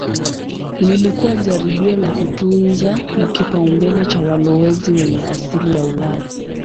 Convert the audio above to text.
Lilikuwa jaribio la kutunza kipaumbele cha walowezi wenye asili ya Ulaya.